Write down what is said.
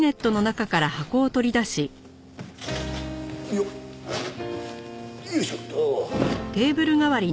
よっよいしょっと。